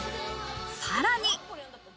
さらに。